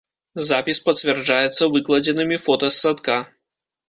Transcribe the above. Запіс пацвярджаецца выкладзенымі фота з садка.